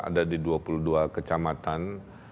ada di dua puluh dua kecamatan